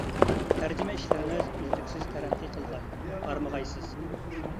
تەرجىمە ئىشلىرىڭىز ئۈزلۈكسىز تەرەققىي قىلغاي، ھارمىغايسىز!